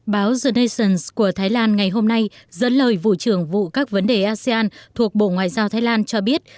báo the nations của thái lan ngày hôm nay dẫn lời vụ trưởng vụ các vấn đề asean thuộc bộ ngoại giao thái lan cho biết